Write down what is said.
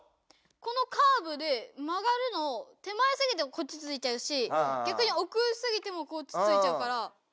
このカーブでまがるの手前すぎてもこっちついちゃうしぎゃくにおくすぎてもこっちついちゃうから。